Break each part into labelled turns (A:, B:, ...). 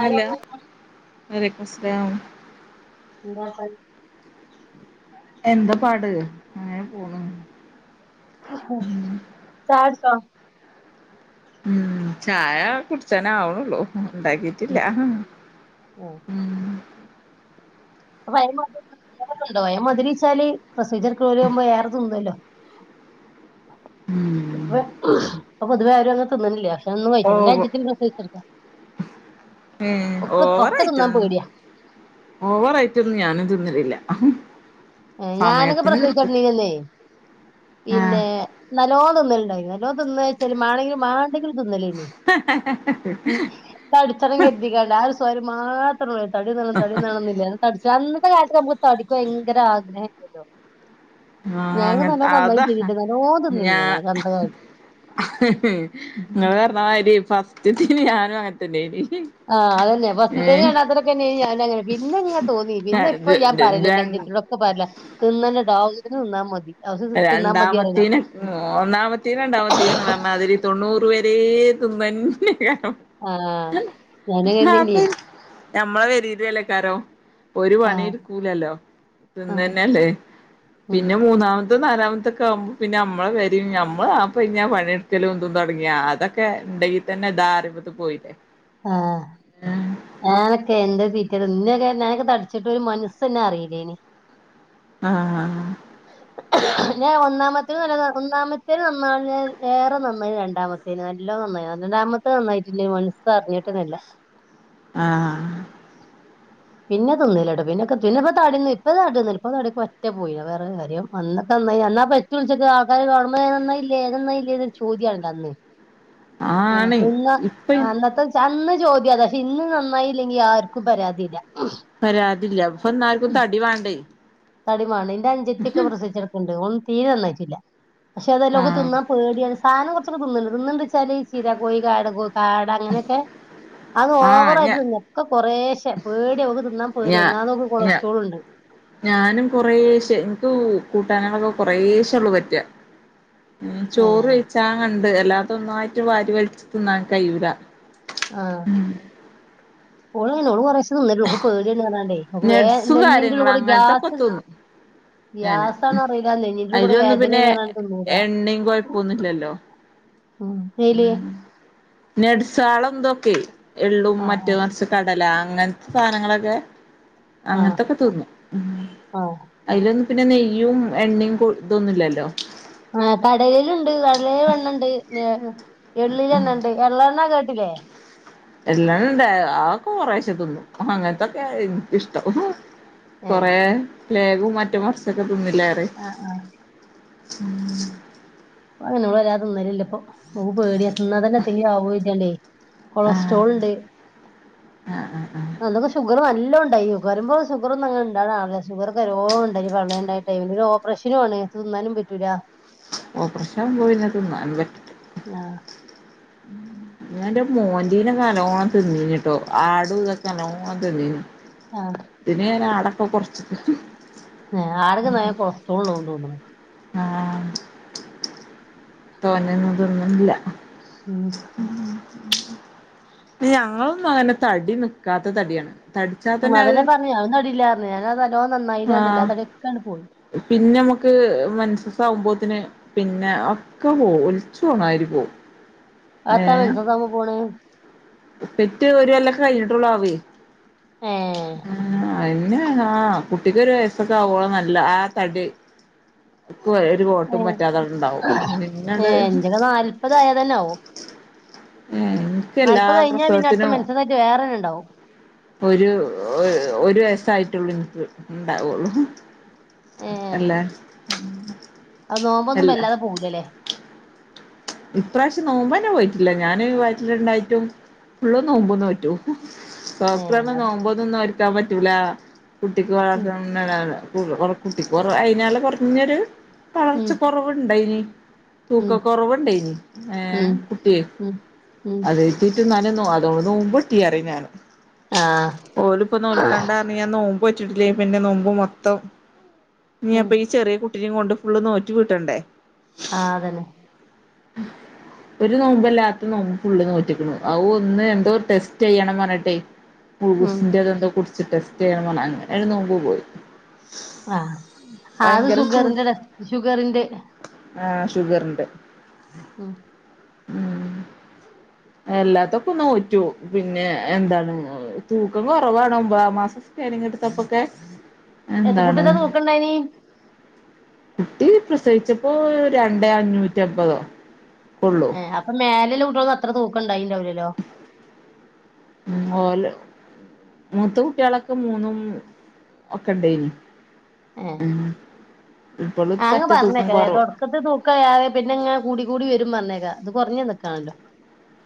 A: Hello
B: അ അസ്ലാം
A: ഉവ്വ [unintelligible]
B: എന്താ പാട് അങ്ങനെ പോണു
A: ഹാഹാ ചായ കുടിച്ചോ
B: ഉം ചായ കുടിച്ചാനാവണൊള്ളൂ ഉണ്ടാക്കീട്ടില്ലാ ഉം
A: [unintelligible] മതുരിച്ചാല് പ്രസയ്ച്ചെട്ക്ക്ണോല് മ്മള് ഏറെ തിന്നല്ലോ
B: ഉം
A: ഇപ്പെ ഇപ്പൊ പൊതുവേ ആരും അങ്ങനെ തിന്ന്ൺല്ലാ ഒന്നും കയ്ക്കലില്ല ന്റെ
B: ഓവ്
A: അഞ്ചത്തി പ്രസവിച്ചെടക്കാ
B: ഏ
A: ഒക്കെ തിന്നാൻ
B: ഓവറായിട്ടൊന്നും
A: പേടിയാ
B: ഓവറായി റ്റൊന്നും ഞാനും തിന്നലില്ല
A: ഏ ഞാനൊക്കെ
B: സമയത്തിന് കൃത്യത്തി
A: പ്രസവിച്ചെട്ന്നീന്നന്നെയ്
B: ആഹ്
A: പിന്നെ നല്ലോം തിന്നൽ ണ്ടായിന്ന് നല്ലോം തിന്നാച്ചാല് മാണെങ്കിലും മാണ്ടെങ്കിലും തിന്നലെയ്ന്നു ഉം തടിച്ചെണം കെര്തിക്കാണ്ട് ആ ഒരുസ് തൊരു മാത്രോള്ളു തടിയന്നാവണം തടിയന്നാവണംന്ന്ല്ലാ തടിച്ചാനൊന്ന് [unintelligible] കാര്യത്തിന് നമ്മക്ക് തടിക്ക് ഭയങ്കരാ - [unintelligible]
B: ആ അങ്ങൻ ആ താ
A: നല്ലോം തിന്നീനി
B: ഞാ
A: ഞാന് അന്നത്തെ
B: ഹ് ഹ്
A: കാലത്ത്
B: ങ്ങള് പറഞ്ഞമാതിരി ഫ ഫസ്റ്റ്ത്തീന് ഞാനും അങ്ങൻ തന്നേയ്നി
A: അതെന്നെ ഫസ്റ്റ്ത്തേനും രണ്ടാമത്തേനൊക്കെ പിന്നെ ഞാനും അങ്ങനെ പിന്നെ ങ്ങനെ തോന്നി പിന്നെ പ്പോ ഞാൻ
B: ര
A: പറയല്ണ്ട് ന്റെ
B: ര
A: അഞ്ചത്തിനീടൊക്കെ പറയല [unintelligible] ഫസ്റ്റ്ത്തീന് തിന്നാ മതി ആവശ്യത്തിന് തിന്നാ മതി പറയലാ
B: രണ്ടാമത്തീനും ഒന്നാമത്തീനും രണ്ടാമത്തേനും ങ്ങള് പറഞ്ഞാതിരി തൊണ്ണൂറ് പേരു ത്തീം തിന്നന്നയ്ക്കാരം
A: ആഹ് ഞാനങ്ങനെനി
B: [unintelligible] നമ്മളെ പെരീലും അല്ലയ്ക്കാരം ഒരു പണി
A: ആഹ്
B: എടുക്കൂലല്ലോ
A: ആഹ്
B: തിന്നന്നെല്ലേ
A: ഉം
B: പിന്നെ മൂന്നാമ ഇ നാലാമത്തൊക്കെ ആവുമ്പോപ്പോ പിന്നെ നമ്മളെ പേരേം നമ്മള് നപ്പെയ്ഞ്ഞാ പണിട്ക്കല് തും തുടങ്ങിയാ അതൊക്കെ ണ്ടെങ്കിൽ തന്നെ താ [unintelligible] പോയില്ലേ
A: ആ ഞാനൊക്കെ എന്തേര് തീറ്റേന്ന് ഇന്നെക്കെ ഞാനോക്കെ തടിച്ചിട്ട് ഒരു മനസൻ ഇന്നേ അറീലേനി
B: ആ ആ
A: ഞാ ഒന്നാമത്തേന് നല്ലോ ഒന്നാമത്തേന് നന്നാണ് ഞാ ഏറെ നന്നായിന് രണ്ടാമത്തേന് നല്ലോം നന്നായിന് രണ്ടാമത്തെ നന്നായിട്ടില്ല മനസ് അറിഞ്ഞിട്ടന്നല്ല
B: ആഹ്
A: പിന്നെ തിന്നീലട്ടോ പിന്നെക്കെ പിന്നെപ്പോ തടിയൊന്നും ഇപ്പൊ തടിയൊക്കെ പറ്റേ പോയി അത് വേറെ കാര്യം അന്നൊക്കെ നന്നായി ന്ന് ആ പെറ്റ് കുൾച്ചപ്പോ ആൾക്കാര് കാണുമ്പോ നന്നായില്ലേ നന്നായില്ലേ ന്നൊരു ചോദ്യംണല്ലോ അന്ന് ഏ
B: ആണ്
A: ത് ന്നാ
B: ഇപ്പ
A: അന്നത്തെ ച അന്ന് ചോദ്യാ പക്ഷെ ഇന്ന് നന്നായില്ലെങ്കി ആർക്കും പരാതില്ല
B: പരാതില്ല ഇപ്പൊന്നാർക്കും തടി വാണ്ടേ
A: തടിമണേൻ ഇന്റെ അഞ്ചത്തിക്കെ പ്രസവിചെടക്കണ്ട് ഓള് തീരെ നന്നായിട്ടില്ല പക്ഷെ അതെലോകെ
B: ആഹ്
A: തിന്നാൻ പേടിയാണ് സാധനകൊർച് തിന്ന്ണ്ട് തിന്ന്ണ്ട് വച്ചാല് ചീരകോഴി കാടെടെകോ കാട അങ്ങനെക്കെ അത്
B: ആഹ് ഞ
A: ഓവറായിട്ട്തിന് ഒക്കെ കൊറേ- ക്ഷെ പേടിമക്ക് തിന്നാൻ പേടി
B: ഞാ
A: ഒന്നാതെ മക്ക്
B: ഞാ
A: കൊളസ്ട്രോള്ണ്ട്
B: ഞാനും കൊറേശെ എനിക്ക് കൂട്ടാനൊക്കെ കൊറേശം ഉള്ളൂ പറ്റാ ഉം
A: ഏ
B: ചോറ്കയിച്ചാ ക ണ്ട് അല്ലാത്ത ഒന്നായിട്ട് വാരി വലിച്ച് തിന്നാൻ കയ്യൂല
A: ആഹ് ഓളങ്ങന ഓള് കൊറേശെതിന്നുള്ളു ഓക്ക് പേടിണ്പറ
B: നെഡ്സും കാര്യങ്ങളും അങ്ങനത്തൊക്കെ തിന്നും ഞാന്
A: ഗ്യാസാണോ അറിയില്ല നെഞ്ഞിന്റെ ഉള്ളിൽ കൂടെ
B: അതിലൊന്നും പിന്നെ
A: വേദനയാണ് പറഞ്ഞാണ്ട് തിന്നൂല
B: എണ്ണിമ് കൊഴപ്പൊന്നനല്ലല്ലോ
A: ഉം ഏല്
B: നെടുസാള എന്തൊക്കെ എള്ളും
A: ആ
B: മറ്റൊറച്ച് കടല അങ്ങനത്തെ സാധനളൊക്കെ
A: ആ
B: അങ്ങനത്തൊക്കെ തിന്നും
A: ആ
B: അയ്ലൊന്ന് പിന്നെ നെയ്യും എണ്ണേം കൊ ഇതൊന്നുല്ലല്ലോ
A: ആ കടേലുണ്ട് കടലേല് എണ്ണണ്ട് എള്ളിലെണ്ണെണ്ട് എള്ളെണ്ണ കേട്ടില്ലെ
B: എല്ലളെണ്ട് ആക്കൊ കൊറേശെ തിന്നും അങ്ങനത്തൊക്കെയ എനിക്കിഷ്ടം
A: ഏ
B: കൊറേ ലേഗവും മറ്റൊമർച്ചൊക്കെ തിന്നില്ലറെ
A: ആ
B: ഉം
A: എന്നോനാരുതിന്നലില്ല ഓക് പേടിയ തിന്നാതന്നെ എത്തങ്കി ആവോ കർതിയാണ്ട്
B: ആഹ്
A: കൊളസ്ട്രോൾ ഇണ്ട്
B: ആഹ് ആഹ് ആഹ്
A: അതൊക്കെ ഷുഗർ നല്ലോ- ടൈ വരുമ്പോൾ ഷുഗറ ഒന്നുംണ്ടങ്ങനാല്ല ഷുഗർ കരോണ്ടല്ല പള്ളയെ ഉണ്ടായപ്പോൾ ഒരു ഓപ്പറേഷനും ആണ് തിന്നാനും പറ്റൂല
B: ഓപ്പറേഷൻ പോയിന്നതിന്നാന്നും പറ്റൂല
A: ആ
B: ഞാ എന്റെ മോന്റെ ഒക്കെ നല്ലമ് തിന്നീനിട്ടോ ആടുതക്കെ നലോണം തിന്നീന്നി
A: ആ
B: ഇതിന് ഞാ ആടൊക്കെ കൊറച്ച്
A: ഹ് ആടൊക്കെ നല കൊളസ്ട്രോളു- തോന്ന്ണ്
B: അ തോന്നന്നതിന്നണ്ല്ല
A: ഉം
B: [inaudible] ഞങ്ങളൊന്നും അങ്ങനെ തടി ന്ക്കാത്ത തടിയാണ് തടിച്ചാ തന്നെ അത്.
A: അതല്ലേ പറഞ്ഞു അതൊന്നും അടിയില്ലായിരുന്നു ഞാൻ അത് നല്ലോണം
B: അ
A: നന്നായില്ലാണ്ടല്ല ആ തടിയൊക്കെ അങ്ങട് പോയി
B: പിന്നെ അമക് മൻസസാവുമ്പോ തിന് പിന്നെ ഒകെ പോവും ഒലിച്ചോണാരി പോവും
A: അതാ
B: ഏഹ്
A: മെൻസസാകുമ്പോ പോണ്
B: പെറ്റ് ഒരു കൊല്ലൊക്കെ കഴിഞ്ഞിട്ടൊള്ളു ആവേ
A: ഏ
B: അ അയ്നുന് ആഹ്. കുട്ടിക്കൊരു വയസ്സൊക്കെ ആവുമ്പള നല്ല ആ തടി ഒരു
A: ഏ
B: കോട്ടും പറ്റാത്തടണ്ടാവും
A: ഏ,
B: പിന്നണ്ട്
A: എന്റൊക്കെ നാല്പതായതന്നെ ആവും
B: ഏഹ് ഇൻക്ക് എല്ലാ
A: നാല്പത് കഴിഞ്ഞാ പിന്നെ അടുത്ത
B: പ്രസവത്തിനും
A: മെൻസസായിട്ട് വേറെ തന്നെ ഉണ്ടാവും
B: ഒരു ഒ ഒരു വയ തായിട്ടൊള്ളു ഇൻക്ക് ഇണ്ടാവൊള്ളു
A: ഏ
B: അല്ലെ ഉം
A: അത് നോമ്പൊന്നും വല്ലാതെ പോവുലലെ
B: ഇപ്രാവശ്യം നോമ്പന്നെ പോയിറ്റില്ല. ഞാന് വയറ്റില്ണ്ടായിട്ടും ഫുള്ള് നോമ്പും ന്നോറ്റു
A: ഏ
B: ഡോക്ടറർഞ് നോമ്പൊന്നും നോൽക്കാൻ പറ്റൂലാ കുട്ടിക്ക്
A: ഉം
B: വളർചന്ന്ണ്ടാവുല [unintelligible] കുട്ടി കൊറ അയിഞാല് കൊറഞ്ഞൊര്
A: ഉം
B: വളർച്ച കൊറവുണ്ടയ്ന്
A: ഉം
B: തൂക്കക്കൊറവ് ഉം ഏഹ്
A: ഉം
B: കുട്ടിയെ
A: ഉം ഉം
B: അത് [unintelligible] ന്നാലെ ന്നോഅതൊളു നോമ്പ്ട്ടീ അറിം ഞാന്
A: ആ
B: ഓല് ഇപ്പ നോൽക്കണ്ടാറഞ്ഞ് ഞാൻ നോം മ്പാറ്റ്ട്ട്ലേ പിന്നെ നോമ്പ് മൊത്തം ഇത്
A: ഉം
B: ഞാപ്പം ഈ ചെറിയ കു ട്ടി നിം കൊണ്ട് ഫുള്ള് നോറ്റ് വീട്ടണ്ടേ
A: ആഹ് അതന്നെ
B: ഒരു നോമ്പല്ലാത്ത നോമ്പ് ഫുള്ള് നോറ്റ്ക്ക്ണു. അവ് ഒന്ന് എന്തോ ടെസ്റ്റ യ്യണം പറഞ്ഞ്ട്ടെ.
A: ഉം
B: ഗുൾഗൂസ്ന്റതെന്തോ കുട് ച്ച് ടെസ്റ്റ് ചെയ്യണം പറഞ് അങ്ങനൊരു നോമ്പ് പോയി
A: ആഹ് ആഹ് അത്
B: ഭയങ്കര ചൂ
A: ഷുഗറിന്റെടെസ്റ്റ്. ഷുഗറിന്റെ
B: ആഹ് ഷുഗറിന്റെ
A: ഉം
B: ഉം എല്ലാത്തൊക്കൊന്ന് നോറ്റു. പിന്നെ എന്താണ് ഏഹ് തൂക്കം കൊറവാണ് ഒമ്പദാം മാസം സ്കാനിംഗ് ഇട്ത്തപ്പൊക്കേ
A: എത്ത കുട്ടിയത്ര തൂക്കണ്ടയ്ന്
B: കുട്ടി പ്രസവിച്ചപ്പോ രണ്ടേ അഞ്ഞൂറ്റമ്പതോ ഒക്കൊള്ളൂ
A: ഏ അപ്പൊ മേലല്ല [unintelligible] അത്ര തൂക്കം ഉണ്ടായിണ്ടാവില്ലല്ലോ
B: ഉം ഓല് മൂത്ത കുട്ടികളൊക്കെ മൂന്നും ഒക്കെ ഇണ്ടേ നി
A: ഏഹ് ആ ഇങ്ങ
B: പറ്റ തൂക്കം
A: പറഞ്ഞേക്കലേ
B: കൊറവ്
A: തൊട്ക്കത് തൂക്കായാതെ പിന്നെങ്ങ കൂടി കൂടി വരും പറഞ്ഞേക്കാ ഇത് കുറഞ്ഞ് വന്നക്കാണല്ലോ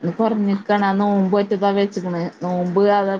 B: ഇത് കുറഞ്ഞക്കാണ് ആ നോമ്പൊ റ്റതാ വെച്ചക്ക്ണെ നോമ്പ് അത്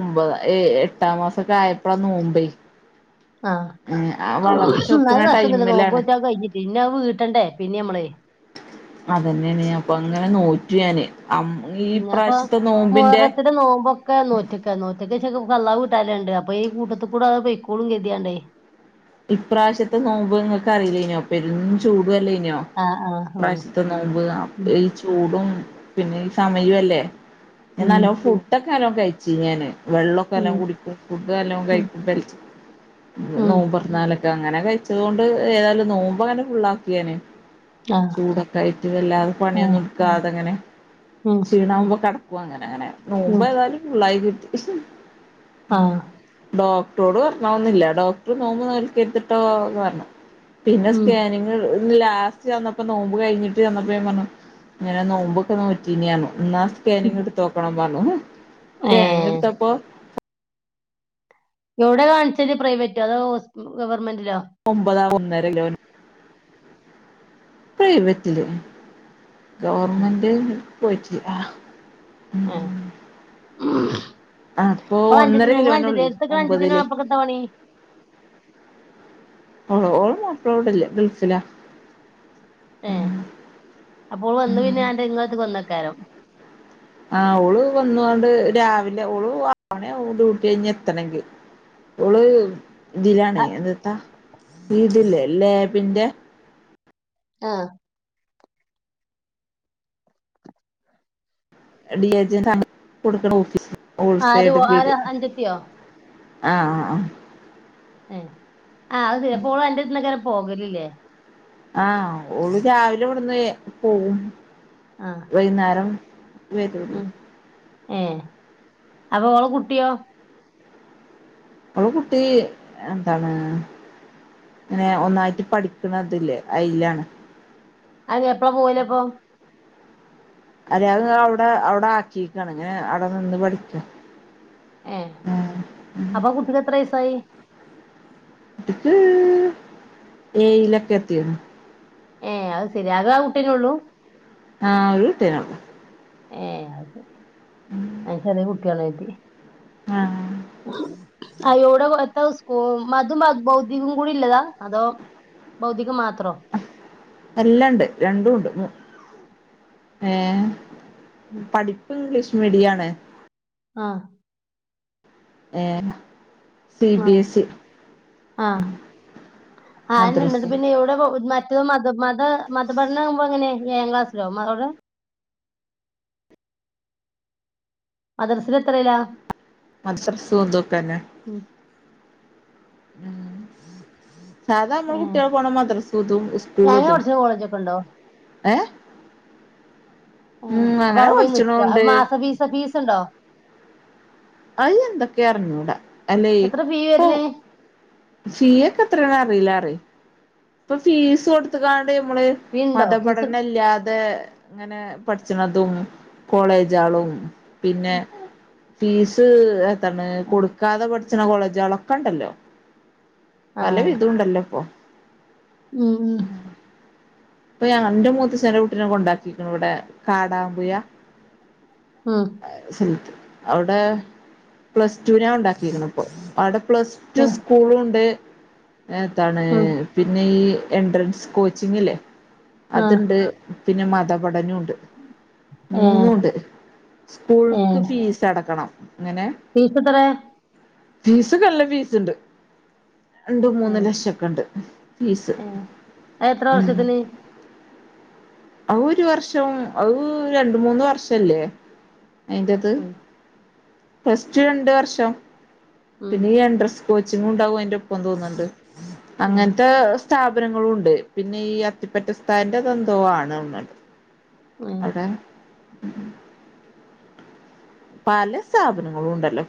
B: ഒമ്പത ഏ എട്ടാം മാസൊക്കെ ആയപ്പളാ നോമ്പേ
A: ആഹ
B: ആ വളർച്ച
A: ന
B: വെക്ക്ണ
A: നഷ്ടൊന്നുമില്ല
B: ടൈമിലാണ്
A: നോക്കച്ച കഴിഞ്ഞിട്ട് ഇന്ന അവ വീട്ടണ്ടേ പിന്നെ നമ്മള്
B: അ നുറ്റിയനെ
A: അപ്പൊ മോറത്തിന് നോമ്പക്കെ നോറ്റക്ക നോറ്റക്ക കല്ലാവ കീട്ടാലുണ്ട് അപ്പൊ ഈ കൂട്ടത്തി കൂടെ ഇക്കോളും കതിയണ്ടേ
B: ഇപ്രാവശ്യത്തെ നോമ്പ്ങ്ങൊക്കെ അറിയില്ല പെരും ചൂട് ല്ല ഇനോ
A: ആ ആ
B: പ്രാവശ്യത്തെ നോമ്പ്
A: ഉം
B: ഈ ചൂടും പിന്നെ ഈ സമയ അല്ലേ
A: ഉം
B: നല്ലോ ഫുട്ടൊ സ്ഥലം കഴിച്ചു ഞാന് വെള്ളമൊക്കെ എല്ലാം
A: ഉം
B: കുടിക്ക ഫുഡ് എല്ലാം
A: ഉം
B: കഴി [unintelligible]
A: ഉം
B: നോമ്പർ എന്നാലൊക്കെ അങ്ങനെ കഴിച്ചതൊണ്ട് ഏതായാലും നോമ്പോ അങ്ങനെ ഫുള്ളാക്കിയേനെ
A: ആ
B: ചൂടൊക്കെ ആയിട്ട് വല്ലാതെ
A: ആ
B: പണിയൊന്നും ഇടുക്കാതെങ്ങനെ
A: ഉം
B: ക്ഷീണാകുമ്പോ കട ആ അങ്ങെങ്ങനെ നോമ്പോ
A: ഉം
B: ഏതാലും ഭുള്ളായി കി
A: ആ
B: [unintelligible] ഡോക് ട് പറഞ്ഞാവുന്നില്ല [unintelligible] ഡോക്ടറും നോമ്പ നൽക്ക എത്തിട്ടോ പറണം പിന്നെ
A: ഉം
B: സ്കാനിങ് ലാസ്റ്റ് ചന്നപ്പോ നോമ്പ് കഴിഞ്ഞിട്ട് ചന്നപ്പോ പറഞ്ഞു ഇങ്ങനെ നോമ്പൊക്കെ നോറ്റീന ആ എന്നാ
A: ഉം
B: സ്കാനിങ്ങ ഇട്ട് തോക്കണം വാലോ
A: ഏ
B: സ്കാനിങ് എടുത്തപ്പോ
A: എവിടെ കാണിച്ചല് പ്രൈവറ്റ് അതോ ഹോസ് ഗവൺമെന്റ്
B: ഒമ്പതാവും. നേരെ ഗവ പ്രൈവറ്റില്
A: ആ
B: ഗവണ്മെന്റ്. പറ്റി ആ [unintelligible]
A: ആഹ [unintelligible] ഉം
B: അപ്പൊ ഒന്നര കിലോന ഉള്ളേ
A: അഞ്ചത്തിന്
B: ഒമ്പതില്
A: അപ്പൊക്കത്തെ പണി
B: ഓ ഓ മാപ്പ്ലോടല്ലേ ഗൽഫില
A: ഏ അപ്പോവന്ന് പിന്നെ ഞന്റെ ഇങ്ങത്ത് കൊന്നേക്കാരം
B: ആ ഓള് വന്നണ്ട് രാവിലെ ഓള് ആണ ഡ്യൂട്ടി കഴിഞ്ഞ എത്തണെങ്കിൽ ഓള് ഇതിലാണ് എന്തെത്താ? ഇതില്ലേ ലേബിന്റെ,
A: ആഹ്
B: ഡി എജ കുടുക്ക ഓഫി
A: ആരോ ആരാ അഞ്ചത്തിയോ?
B: ആഹ് ആ ആ
A: എഹ് ആഹ് സെരി ഓള് അന്റട്ത്ത്ന്നേക്കാരം പോകലില്ലേ
B: ആഹ് ഓള് രാവിലെ ഇവിടുന്ന് പോകും.
A: ആ
B: വൈകുന്നേരം വരും
A: ഉം ഏ അപ്പൊ ഓള കുട്ടിയോ?
B: അള് കുട്ടി എന്താണ് പിനെ ഒന്നായിട്ട് പഠിക്കണതില്ലേ അയിലാണ്
A: അത് എപ്പഴാ പോവല് അപ്പ
B: അതെ അര് അവിടെ അവിടെ ആക്കിക്കാണ് ഇങ്ങനെ അവിടെ നിന്ന് പഠിക്കും.
A: ഏ അപ്പൊ കുട്ടിക്ക് എത്ര വയസായി?
B: അത് ഏയിലക്കെ എത്തി
A: ഏ അത് ശെരി ആകെ ആ കുട്ടേനെ ഉള്ളൂ?
B: ആഹ് ഒരു തനേയുള്ളു.
A: ഏ അ ചെറിയ കുട്ട്യാളയ്നി
B: ആഹ്
A: ആ ഇവിടെത്ര സ്കൂ അതും ഭൗതികം കൂടി ഇള്ളതാ അതോ ഭൗതിക മാ
B: എല്ലാണ്ട് രണ്ടും ഉണ്ട് മൂ ഏ
A: ഉം.
B: പഠിപ്പ് ഇഗ്ലീഷ് മിഡിയാണ്
A: ആഹ്
B: ഏ
A: ആ ആ എന്നിട്ട്
B: മദ്രസും
A: പിന്നെ എവിടെ കൊടുക്കുന്ന മറ്റത് മത മത മതപഠന ആകുമ്പോ എങ്ങനെ ഏഴാം ക്ലാസ്സിലാകും മതോട് അദർസല് എത്രലാ
B: മസരസുഖന്തൊക്കെന്നെ
A: ഉം
B: [unintelligible] സാധാ മ്മൾ
A: ഏഹ്
B: കുട്ട്യേൾ പോണ മദ്രസുതും സ്കൂള്
A: തേങ്ങ
B: തും
A: ഒടച്ച്ണ കോളേജൊക്കെ ഉണ്ടോ
B: ഏഹ്
A: ഉം അപ്പൊ
B: അങ്ങനെ
A: ഔഎ പോയി നിക്ക അ
B: പഠിച്ചണോണ്ട്
A: മാസ പീസ പീസ്ണ്ടോ?
B: അയി എന്തൊക്കെ അറിഞ്ഞൂടാ
A: എത്ര ഫീ
B: അല്ലെഇപ്പോ
A: വരുന്നേ
B: പൊ ഫീസൊട്ത്കാൺ ട് മ്മള്
A: ഫീ ഉണ്ടോ ഫീസ്
B: മതപഠനല്ലാതെ ങ്ങനെ പഠിച്ച്ണതും കോളേജാളു പിന്നെ ഫീസ് ആ തന്നെ കൊടുക്കാതെ കൊട് ച്ച്ണകോളേജാളൊക്കെ ണ്ടല്ലോ പല
A: ആഹ്
B: വിധുണ്ടല്ലോ ഇപ്പൊ
A: ഉം ഉം
B: പ്പൊ യാ അന്റെ മൂത്തഛനെ കുട്ടീനെ കൊണ്ടാക്കീക്ക്‌ണ് വടെ കാടാമ്പുയ
A: ഉം
B: അഹ് [unintelligible] അവിടെ പ്ലസ് ടുനാ ഒണ്ടാക്കിയിരുന്ന ഇപ്പൊ അവിടെ പ്ലസ് ടു
A: ഉം
B: സ്കൂള് ഉണ്ട്. ഏതാണ്?
A: ഉം
B: ഈ എൻട്രൻസ് കോച്ചിങ്ങിലെ
A: ഉം ആഹ്
B: അതുണ്ട്. പിന്നെ മതപഠനോ ണ്ട്,
A: ഏഹ്
B: മൂന്നുണ്ട്, സ്കൂൾക്ക്
A: ഏഹ്
B: ഫീസ് അടക്കണം. അങ്ങനെ
A: ഫീസ് എത്ര?
B: ഫീസ് നല്ല ഫീസ് ഉണ്ട്. രണ്ടും, മൂന്നും, ലക്ഷം ഒക്കെ ഉണ്ട്.
A: ഉം അത്എത്ര വർഷത്തിന്?
B: അ ഒരു വർഷം, അത് രണ്ട് മൂന്ന് വർഷല്ലേ? അയിന്റത്.
A: ഉം
B: പ്ലസ്ടു രണ്ട് വർഷം.
A: ഉം
B: പിന്നെ ഈ എൻഡ്രസ് കോച്ചിങ്ങും ഉണ്ടാകും അയിൻ്റെ ഒപ്പം തോന്ന്ണ്ട്.
A: ആ
B: അങ്ങനത്തെ സ്ഥാപനങ്ങളും ഉണ്ട് പിന്നെ ഈ അത്തിപ്പറ്റ ഉസ്താദിന്റെ അത് എന്തോ ആണ്
A: ഉം
B: അതാ ഉ പല സ്ഥാപനങ്ങളും ണ്ടല്ലോ